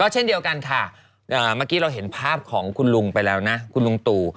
เช่นเดียวกันค่ะเมื่อกี้เราเห็นภาพของคุณลุงไปแล้วนะคุณลุงตู่